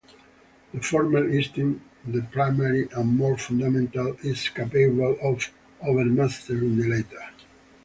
The former instinct, the primary and more fundamental, is capable of overmastering the latter.